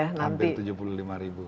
hampir tujuh puluh lima ribu